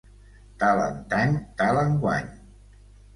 Tal antany, tal enguany.